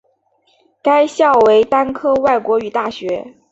该校为单科外国语大学。